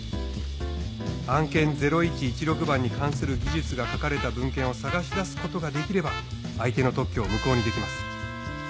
案件０１１６番に関する技術が書かれた文献を探し出すことができれば相手の特許を無効にできます。